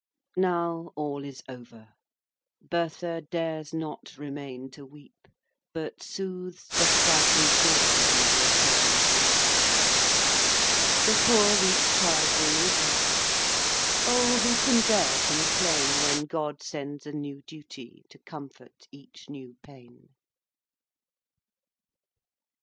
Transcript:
XIV. Now all is over. Bertha Dares not remain to weep, But soothes the frightened Dora Into a sobbing sleep. The poor weak child will need her: O, who can dare complain, When God sends a new Duty To comfort each new Pain!